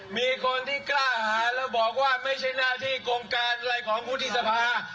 มีคนที่กล้าหาแล้วบอกว่าไม่ใช่หน้าที่โครงการอะไรของวุฒิสภา